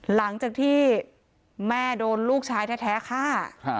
หลังจากที่แม่โดนลูกชายแท้ฆ่า